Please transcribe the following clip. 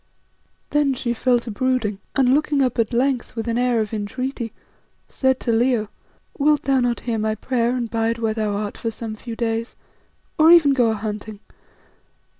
Then she fell to brooding, and looking up at length with an air of entreaty, said to Leo "Wilt thou not hear my prayer and bide where thou art for some few days, or even go a hunting?